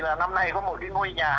là năm nay có một cái ngôi nhà hai tầng